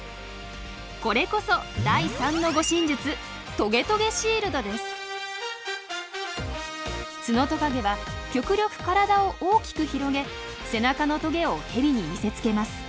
これこそ第３の護身術ツノトカゲは極力体を大きく広げ背中のトゲをヘビに見せつけます。